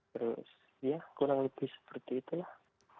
terus ya kurang lebih seperti itulah